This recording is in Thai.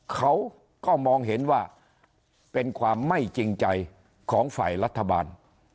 เขาก็มองเห็นว่าเป็นความไม่จริงใจของฝ่ายรัฐบาล